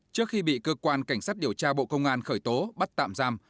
trước khi bị cơ quan cảnh sát điều tra bộ công an khởi tố bắt tạm giam